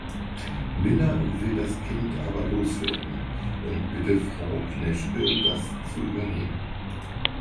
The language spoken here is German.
Minna will das Kind aber loswerden und bittet Frau Kneschke das zu übernehmen.